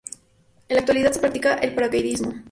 En la actualidad se practica el paracaidismo.